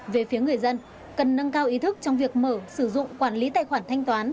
về phía người dân cần nâng cao ý thức trong việc mở sử dụng quản lý tài khoản thanh toán